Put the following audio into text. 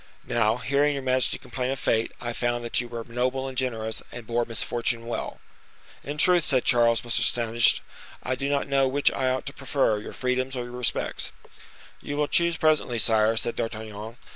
Now, hearing your majesty complain of fate, I found that you were noble and generous, and bore misfortune well." "In truth!" said Charles, much astonished, "I do not know which I ought to prefer, your freedoms or your respects." "You will choose presently, sire," said D'Artagnan.